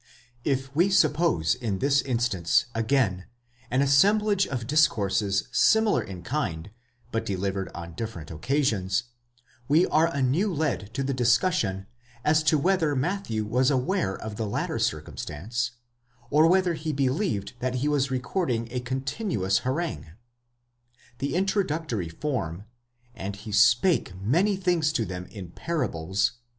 * If we suppose in this instance, again, an assemblage of discourses similar in kind, but delivered on different occasions, we are anew led to the discussion as to whether Matthew was aware of the latter circumstance, or whether he believed that he was recording a continuous harangue. The introductory form, dad he spake many things to them in parables (v.